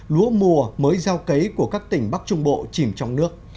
lúa mùa mới gieo cấy của các tỉnh bắc trung bộ chìm trong nước